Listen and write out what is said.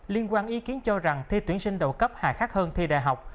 liên quan ý kiến cho rằng thi tuyển sinh đầu cấp hài khác hơn thi đại học